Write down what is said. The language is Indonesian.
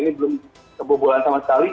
ini belum kebobolan sama sekali